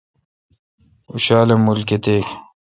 اوں شالہ مول کتیک